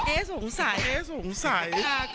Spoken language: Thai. เอ๊สงสัย